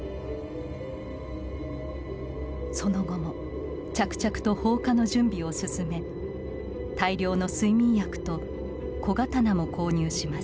その後も着々と放火の準備を進め大量の睡眠薬と小刀も購入します